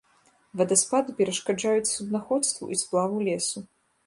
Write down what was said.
Вадаспады перашкаджаюць суднаходству і сплаву лесу.